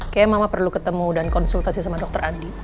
kayanya mama perlu ketemu dan konsultasi dengan dokter andi